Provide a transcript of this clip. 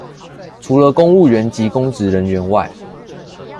除了公務員及公職人員外